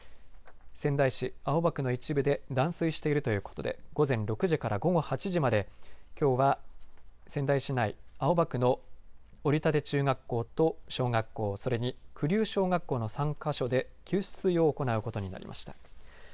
仙台市青葉区の一部で断水しているということで午前６時から午後８時まできょうは仙台市内青葉区のおりたて中学校と小学校、それにくりゅう小学校の３か所で給水を行うことになりました。